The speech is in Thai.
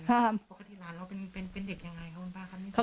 ปกติหลานเราเป็นเด็กยังไงครับบ้านบ้านครับ